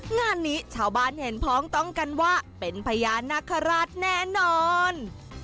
งานนี้ชาวบ้านเห็นพ้องต้องกันว่าเป็นพญานาคาราชแน่นอน